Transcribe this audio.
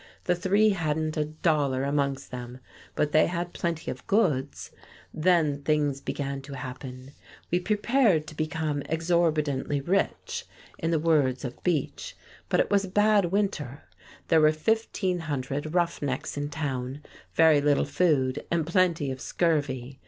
The three hadn't a dollar amongst them, but they had plenty of goods. Then things began to happen. "We prepared to become exorbitantly rich," in the words of Beach, "but it was a bad winter. There were fifteen hundred rough necks in town, very little food and plenty of scurvy.